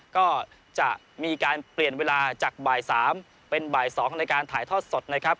ก็จะมีการเปลี่ยนเวลาจากบ่าย๓เป็นบ่าย๒ในการถ่ายทอดสดนะครับ